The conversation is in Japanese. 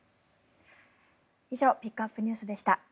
以上ピックアップＮＥＷＳでした。